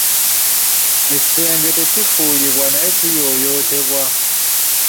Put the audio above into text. Ekisenge tekifuuyibwa naye kiyooyootebwa.